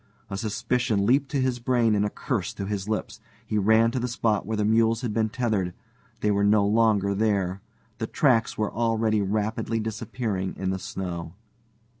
A suspicion leaped to his brain and a curse to his lips. He ran to the spot where the mules had been tethered; they were no longer there. The tracks were already rapidly disappearing in the snow.